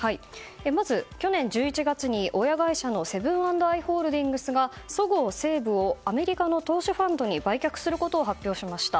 まず、去年１１月親会社のセブン＆アイ・ホールディングスがそごう・西武をアメリカの投資ファンドに売却することを発表しました。